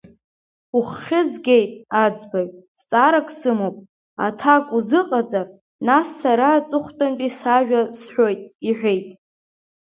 Уххь згеит, аӡбаҩ, зҵаарак сымоуп, аҭак узыҟаҵар, нас сара аҵыхәтәантәи сажәа сҳәоит, — иҳәеит.